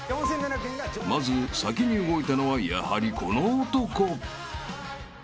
［まず先に動いたのはやはりこの男］